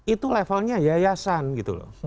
itu levelnya yayasan gitu loh